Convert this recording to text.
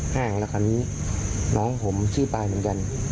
แห้งแล้วคราวนี้น้องผมขี้ตายเหมือนกัน